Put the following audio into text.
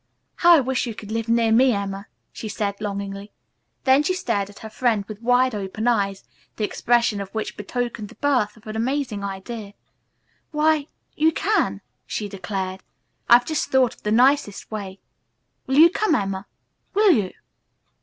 "How I wish you could live near me, Emma," she said longingly. Then she stared at her friend with wide open eyes, the expression of which betokened the birth of an amazing idea. "Why you can," she declared. "I've just thought of the nicest way. Will you come, Emma? Will you?"